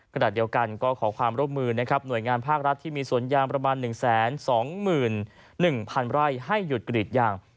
ขณะเดียวกันก็ขอความร่วมมือนะครับหน่วยงานภาครัฐที่มีสวนยางประมาณ๑๒๑๐๐๐ไร่ให้หยุดกรีดยาง